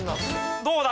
どうだ？